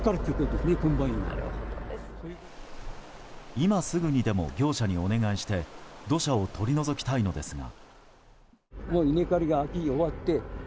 今すぐにでも業者にお願いして土砂を取り除きたいのですが。